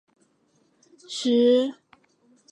台湾经济史的记载与发展起自大航海时代。